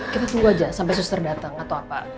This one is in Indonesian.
kita tunggu aja sampai suster datang atau apa